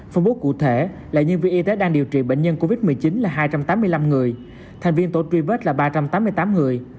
phong bố cụ thể là nhân viên y tế đang điều trị bệnh nhân covid một mươi chín là hai trăm tám mươi năm người thành viên tổ truy vết là ba trăm tám mươi tám người